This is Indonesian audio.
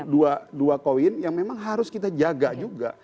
dua mata uang yang memang harus kita jaga juga